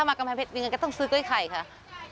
มากำแพงเพชรยังไงก็ต้องซื้อกล้วยไข่ค่ะ